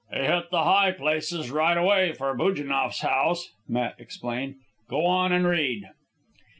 "He hit the high places right away for Bujannoff's house," Matt explained. "Go on an' read."